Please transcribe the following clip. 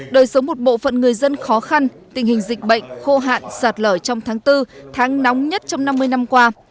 đời sống một bộ phận người dân khó khăn tình hình dịch bệnh khô hạn sạt lở trong tháng bốn tháng nóng nhất trong năm mươi năm qua